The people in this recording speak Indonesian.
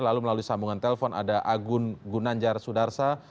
lalu melalui sambungan telpon ada agun gunanjar sudarsa